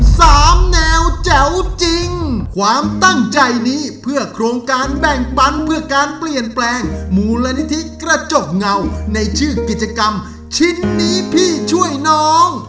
สามแนวแจ๋วจริงความตั้งใจนี้เพื่อโครงการแบ่งปันเพื่อการเปลี่ยนแปลงมูลนิธิกระจกเงาในชื่อกิจกรรมชิ้นนี้พี่ช่วยน้อง